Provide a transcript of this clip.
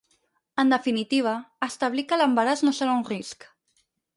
En definitiva, establir que l’embaràs no serà un risc.